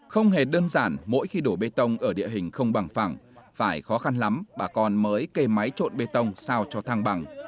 không hề đơn giản mỗi khi đổ bê tông ở địa hình không bằng phẳng phải khó khăn lắm bà con mới kề máy trộn bê tông sao cho thang bằng